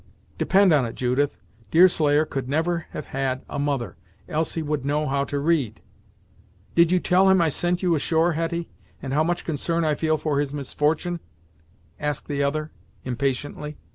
Depend on it, Judith, Deerslayer could never have had a mother, else he would know how to read." "Did you tell him I sent you ashore, Hetty, and how much concern I feel for his misfortune?" asked the other, impatiently.